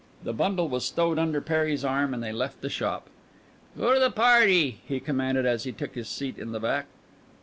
The bundle was stowed under Perry's arm and they left the shop. "Go to the party!" he commanded as he took his seat in the back.